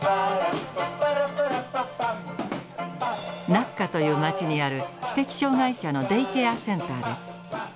ナッカという街にある知的障害者のデイケアセンターです。